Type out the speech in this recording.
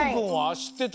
しってた？